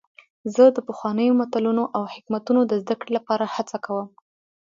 زه د پخوانیو متلونو او حکمتونو د زدهکړې لپاره هڅه کوم.